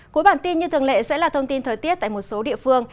cuối bản tin như thường lệ sẽ là thông tin thời tiết tại một số địa phương